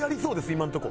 今のとこ。